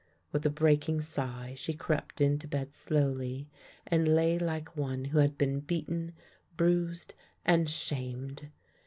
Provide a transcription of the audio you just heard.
With a breaking sigh she crept into bed slowly and lay like one who had been beaten, bruised, and shamed.